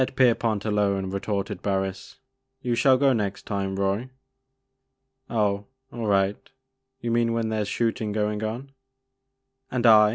1 5 "I>t Kerpont alone," retorted Barris, "you shall go next time, Roy." " Oh, all right, — ^youmean when there 's shoot ing going on?'* And I